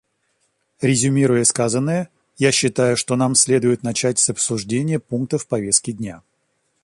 Резюмируя сказанное, я считаю, что нам следует начать с обсуждения пунктов повестки дня.